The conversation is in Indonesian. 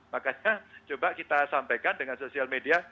makanya coba kita sampaikan dengan sosial media